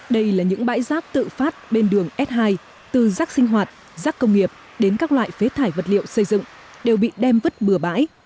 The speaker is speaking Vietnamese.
đây là những bãi rác tự phát bên đường s hai từ rác sinh hoạt rác công nghiệp đến các loại phế thải vật liệu xây dựng đều bị đem vứt bừa bãi